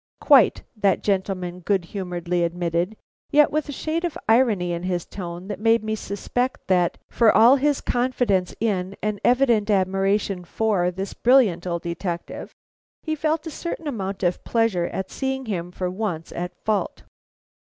"Quite," that gentleman good humoredly admitted, yet with a shade of irony in his tone that made me suspect that, for all his confidence in and evident admiration for this brilliant old detective, he felt a certain amount of pleasure at seeing him for once at fault.